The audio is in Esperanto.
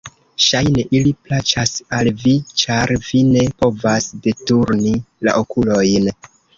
Ŝajne, ili plaĉas al vi, ĉar vi ne povas deturni la okulojn!